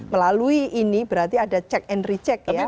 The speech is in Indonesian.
melalui ini berarti ada check and recheck ya